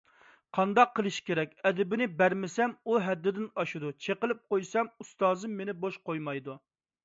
قانداق قىلىش كېرەك، ئەدىپىنى بەرمىسەم، ئۇ ھەددىدىن ئاشىدۇ، چېقىلىپ قويسام، ئۇستازىم مېنى بوش قويمايدۇ.